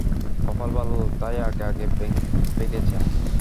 কপাল ভালো, তাই আগে আগে ভেগেছেন।